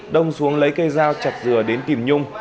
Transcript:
đông xuống lấy cây dao chặt dừa đến tìm nhung